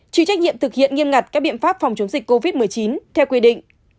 chịu trách nhiệm thực hiện nghiêm ngặt các biện pháp phòng chống dịch covid một mươi chín theo quy định